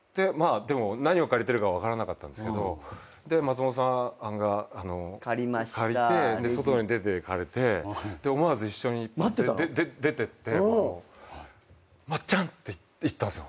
何を借りてるか分からなかったんですけど松本さんが借りて外に出てかれて思わず一緒に出てってまっちゃんって言ったんすよ